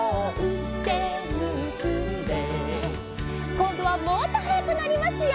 こんどはもっとはやくなりますよ！